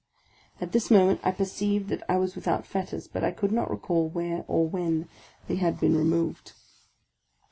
At this moment I perceived that I was without fetters, but I could not recall where or when they had been removed.